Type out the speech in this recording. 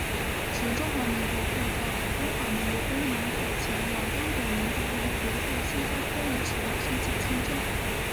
持中华民国护照的中华民国公民可前往刚果民主共和国驻新加坡领事馆申请签证。